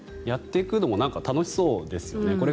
やっていくのもなんか楽しそうですよね。